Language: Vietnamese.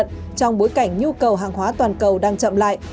trong bối cảnh nhu cầu hàng hóa toàn cầu đang chậm lại